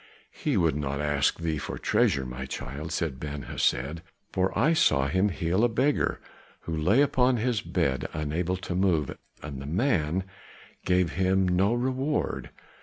"He would not ask thee for treasure, my child," said Ben Hesed, "for I saw him heal a beggar, who lay upon his bed unable to move, and the man gave him no reward.